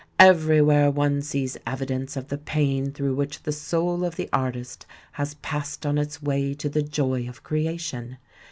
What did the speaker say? Everywhere one sees evidence of the pain through which the soul of the artist has passed on its way to the joy of cre ation.